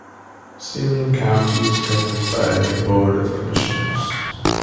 Saline County is governed by a Board of Commissioners.